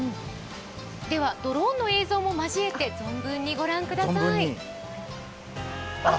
では、ドローンの映像も交えて存分に御覧ください。